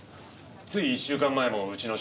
つい１週間前もうちの署に来て。